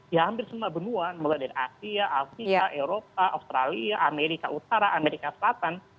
ya hampir semua benuan mulai dari asia afrika eropa australia amerika utara amerika selatan